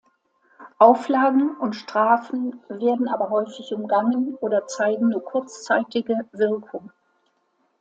Auflagen und Strafen werden aber häufig umgangen oder zeigen nur kurzzeitige Wirkung.